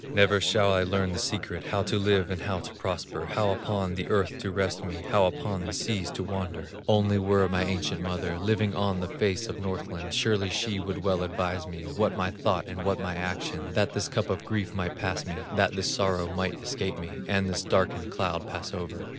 Never shall I learn the secret, How to live and how to prosper, How upon the earth to rest me, How upon the seas to wander! Only were my ancient mother Living on the face of Northland, Surely she would well advise me, What my thought and what my action, That this cup of grief might pass me, That this sorrow might escape me, And this darkened cloud pass over."